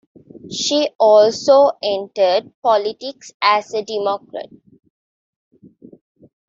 She also entered politics as a Democrat.